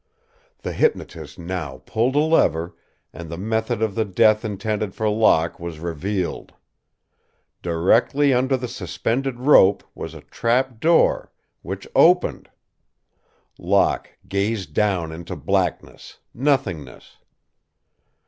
The hypnotist now pulled a lever and the method of the death intended for Locke was revealed. Directly under the suspended rope was a trap door, which opened. Locke gazed down into blackness, nothingness.